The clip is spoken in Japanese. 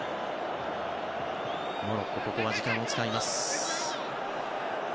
モロッコここは時間を使います。